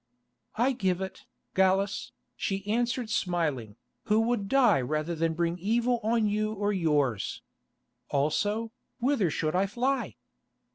"I give it, Gallus," she answered smiling, "who would die rather than bring evil on you or yours. Also, whither should I fly?"